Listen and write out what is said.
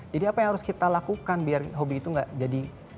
jadi apa yang harus kita lakukan biar hobi itu nggak jadi